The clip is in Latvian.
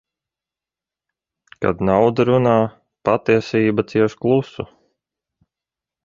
Kad nauda runā, patiesība cieš klusu.